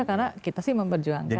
karena kita sih memperjuangkan